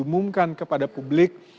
diumumkan kepada publik